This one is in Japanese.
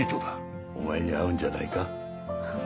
お前に合うんじゃないか？